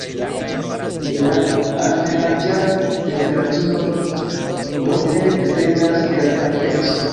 La averaĝa temperaturo multe dependas de la alteco.